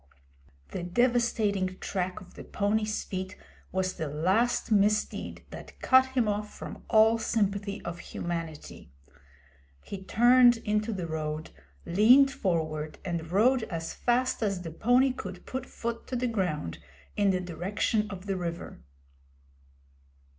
The devastating track of the pony's feet was the last misdeed that cut him off from all sympathy of Humanity. He turned into the road, leaned forward, and rode as fast as the pony could put foot to the ground in the direction of the river.